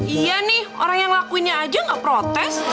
iya nih orang yang ngelakuinnya aja nggak protes